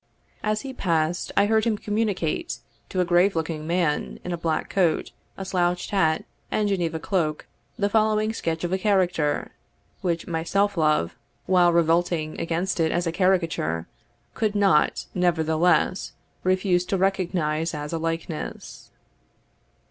As he passed, I heard him communicate to a grave looking man, in a black coat, a slouched hat, and Geneva cloak, the following sketch of a character, which my self love, while revolting against it as a caricature, could not, nevertheless, refuse to recognise as a likeness.